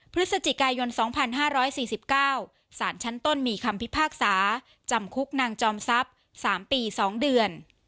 พฤศจิกายน๒๕๔๙สารชั้นต้นมีคำพิพากษาจำคุกนางจอมทรัพย์๓ปี๒เดือน